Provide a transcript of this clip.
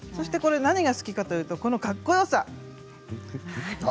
何が好きかというと、かっこよさ。